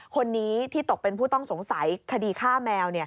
คนนี้ที่ตกเป็นผู้ต้องสงสัยคดีฆ่าแมว